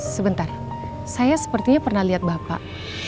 sebentar saya sepertinya pernah lihat bapak